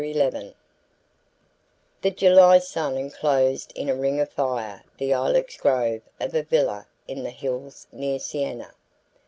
XI The July sun enclosed in a ring of fire the ilex grove of a villa in the hills near Siena.